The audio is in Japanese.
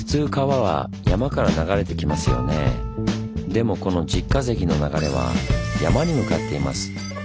でもこの拾ヶ堰の流れは山に向かっています。